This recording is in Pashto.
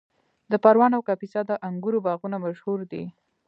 د پروان او کاپیسا د انګورو باغونه مشهور دي.